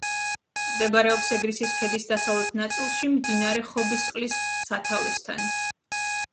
მდებარეობს ეგრისის ქედის დასავლეთ ნაწილში, მდინარე ხობისწყლის სათავესთან.